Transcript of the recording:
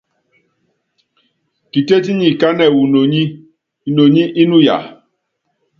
Kitétí nyi kánɛ wu inoní, inoní inuya.